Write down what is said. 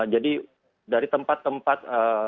jadi dari tempat tempat